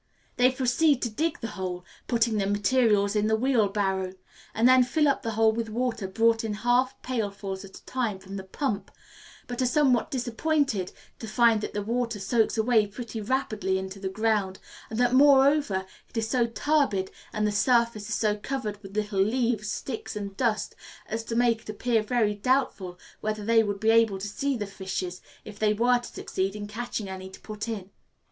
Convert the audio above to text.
They proceed to dig the hole, putting the materials in the wheelbarrow, and then fill up the hole with water brought in half pailfuls at a time from the pump; but are somewhat disappointed to find that the water soaks away pretty rapidly into the ground, and that, moreover, it is so turbid, and the surface is so covered with little leaves, sticks, and dust, as to make it appear very doubtful whether they would be able to see the fishes if they were to succeed in catching any to put in.